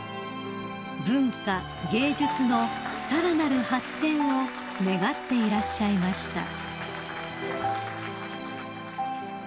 ［文化・芸術のさらなる発展を願っていらっしゃいました］